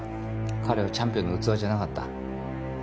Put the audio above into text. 彼はチャンピオンの器じゃなかった。